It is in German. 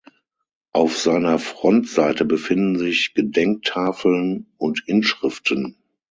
Auf seiner Frontseite befinden sich Gedenktafeln und Inschriften.